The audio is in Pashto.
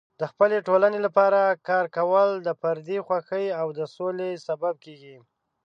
د خپلې ټولنې لپاره کار کول د فردي خوښۍ او د سولې سبب کیږي.